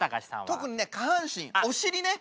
特にね下半身お尻ね。